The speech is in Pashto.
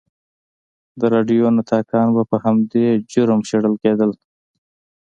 د راډیو نطاقان به په همدې جرم شړل کېدل.